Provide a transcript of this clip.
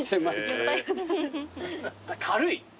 軽い。